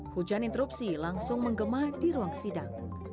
hujan interupsi langsung menggema di ruang sidang